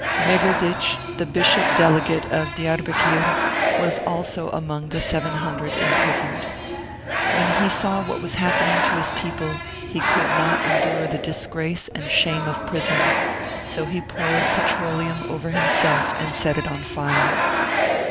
Megerditch, the Bishop delegate of Diarbekir, was also among the 700 imprisoned. When he saw what was happening to his people he could not endure the disgrace and shame of prison, so he poured petroleum over himself and set it on fire.